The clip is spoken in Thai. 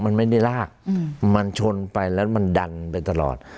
มันไม่ได้ลากมันชนไปแล้วมันดันไปตลอด